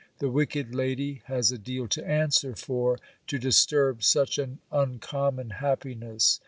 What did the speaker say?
The wicked lady has a deal to answer for, to disturb such an uncommon happiness.